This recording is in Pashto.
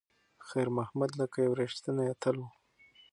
خیر محمد لکه یو ریښتینی اتل و.